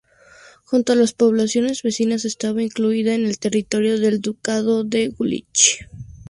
Junto a las poblaciones vecinas, estaba incluida en el territorio del ducado de Jülich.